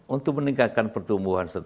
untuk meningkatkan pertumbuhan